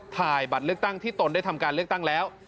ถ่ายบัตรเลือกตั้งที่ตนได้ทำการเลือกตั้งแล้ว